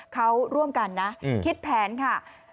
เขาร่วมกันนะคิดแผนค่ะ